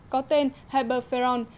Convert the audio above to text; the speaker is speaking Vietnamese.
có tên heberferon